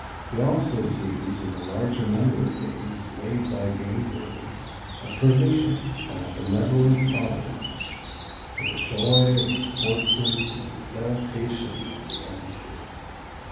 He also sees in the larger number of eggs laid by game birds a provision by a benevolent Providence for the joy of the sportsman and the delectation of the epicure.